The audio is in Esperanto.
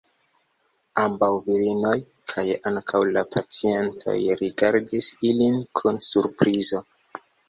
Ambau virinoj kaj ankau la pacientoj rigardis ilin kun surprizo.